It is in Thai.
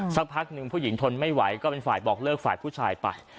สักพักหนึ่งผู้หญิงทนไม่ไหวก็เป็นฝ่ายบอกเลิกฝ่ายผู้ชายไป